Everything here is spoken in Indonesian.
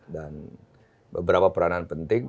dan beberapa peranan penting